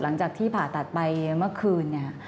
หลังจากที่ผ่าตัดไปเมื่อคืนเนี่ย